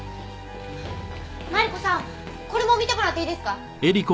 マリコさんこれも見てもらっていいですか？